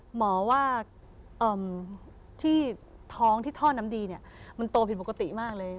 หมอว่าที่ท้องที่ท่อน้ำดีเนี่ยมันโตผิดปกติมากเลย